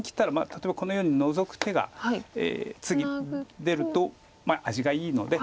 例えばこのようにノゾく手が次出ると味がいいので。